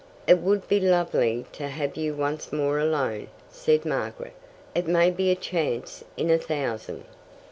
"It would be lovely to have you once more alone," said Margaret. "It may be a chance in a thousand."